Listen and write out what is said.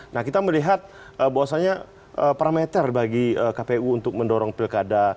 nah kita melihat bahwasannya parameter bagi kpu untuk mendorong pilkada